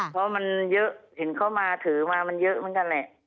เพราะมันเยอะเห็นเขามาถือมามันเยอะเหมือนกันแหละ